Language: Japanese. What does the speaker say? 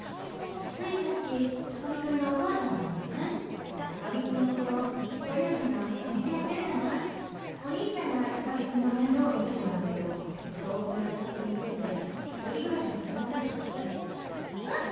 ついさっき高木くんのお母さんに会ってね高木くんのところご両親がお店やってるじゃないお兄ちゃんが高木くんの面倒見てたんだけど遠くの大学に行くんで一人ぐらしを始めたらしくてえっ？